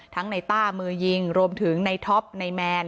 ในต้ามือยิงรวมถึงในท็อปในแมน